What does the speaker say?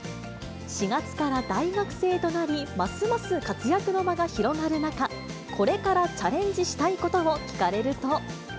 ４月から大学生となり、ますます活躍の場が広がる中、これからチャレンジしたいことを聞かれると。